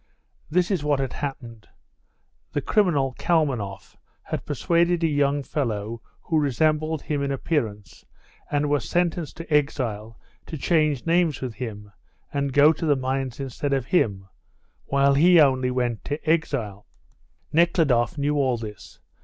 This is what had happened. The criminal Kalmanoff had persuaded a young fellow who resembled him in appearance and was sentenced to exile to change names with him and go to the mines instead of him, while he only went to exile. Nekhludoff knew all this.